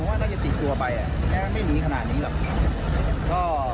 แต่อาจจะติดจักรไปแค่ไม่หนีขนาดนี้แหละ